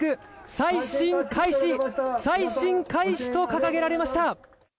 再審開始、再審開始と掲げられました！